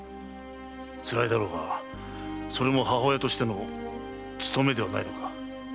つらいだろうがそれも母親としての務めではないのか？